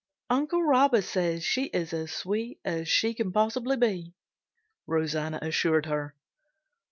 "Uncle Robert says she is as sweet as she can possibly be," Rosanna assured her.